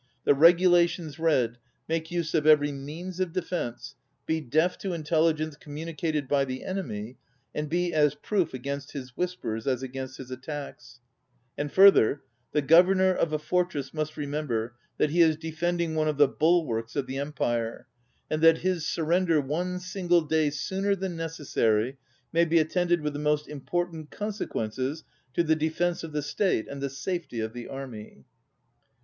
The regulations read: "Make use of every means of defence, be deaf to intelligence communicated by the enemy, and be as proof against his whispers as against his attacks." 6^ ON READING And further: "The Gk)vernor of a fortress must remember that he is defending one of the bulwarks of the Empire, and that his surrender one single day sooner than necessary may be attended with the most im portant consequences to the defence of the state and the safety of the army."